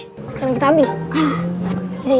sekarang kita ambil